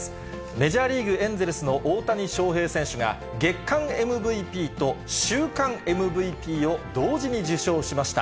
メジャーリーグ・エンゼルスの大谷翔平選手が、月間ＭＶＰと週間ＭＶＰを同時に受賞しました。